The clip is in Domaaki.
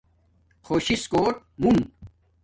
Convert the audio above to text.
خوش سس کوٹ مون